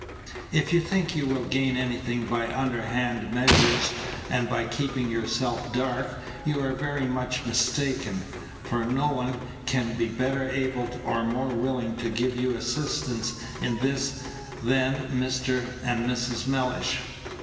If you think you will gain anything by underhand measures, and by keeping yourself dark, you are very much mistaken; for no one can be Page 178 better able or more willing to give you assistance in this than Mr. and Mrs. Mellish."